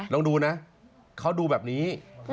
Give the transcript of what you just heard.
ลองดูนะเขาดูแบบนี้